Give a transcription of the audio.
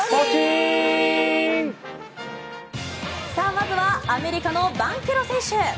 まずはアメリカのバンケロ選手。